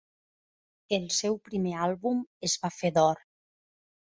El seu primer àlbum es va fer d'or.